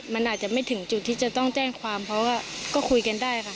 มันอาจจะไม่ถึงจุดที่จะต้องแจ้งความเพราะว่าก็คุยกันได้ค่ะ